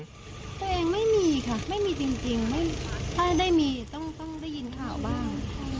ตัวเองไม่มีค่ะไม่มีจริงถ้าได้มีต้องได้ยินข่าวบ้าง